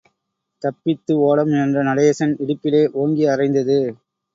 தப்பித்து ஓடமுயன்ற நடேசன் இடுப்பிலே ஓங்கி அறைந்தது.